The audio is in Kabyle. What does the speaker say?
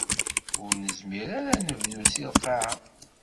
Ur nezmir ara ad d-nebdu seg lqaɛa?